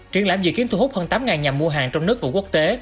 triển lãm dự kiến thu hút hơn tám nhà mua hàng trong nước và quốc tế